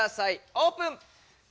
オープン！